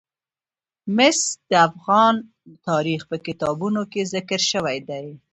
مس د افغان تاریخ په کتابونو کې ذکر شوی دي.